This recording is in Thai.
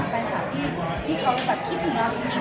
แฟนคลับที่เขาแบบคิดถึงเราจริง